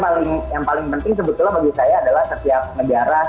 film film jepang tentunya yang paling menarik benar benar adalah film film jepang